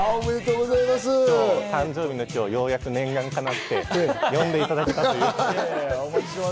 誕生日の今日、念願かなって呼んでいただけたという。